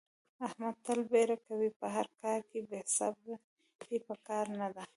احمد تل بیړه کوي. په هر کار کې بې صبرې په کار نه ده.